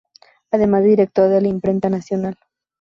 Además de director de la imprenta Nacional.